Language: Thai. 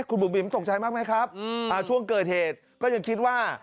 คุณบุ๋มบิ๋มตกใจมากไหมครับช่วงเกิดเหตุก็ยังคิดว่า